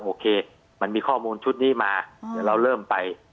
โอเคมันมีข้อมูลชุดนี้มาเดี๋ยวเราเริ่มไป